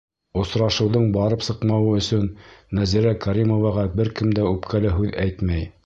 Осрашыуҙың барып сыҡмауы өсөн Нәзирә Кәримоваға бер кем дә үпкәле һүҙ әйтмәй.